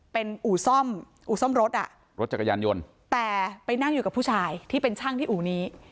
เป็นอู่ซ่อมอู่ซ่อมรถอ่ะรถจักรยานยนต์แต่ไปนั่งอยู่กับผู้ชายที่เป็นช่างที่อู่นี้